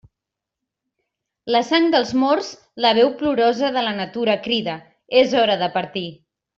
La sang dels morts, la veu plorosa de la natura crida: és hora de partir.